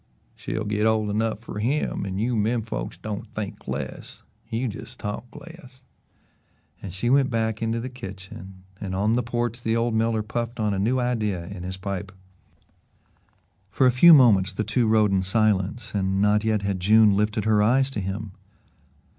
"She'll git ole enough fer HIM an' you menfolks don't think less you jes' talk less." And she went back into the kitchen, and on the porch the old miller puffed on a new idea in his pipe. For a few minutes the two rode in silence and not yet had June lifted her eyes to him.